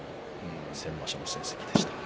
先場所の成績です。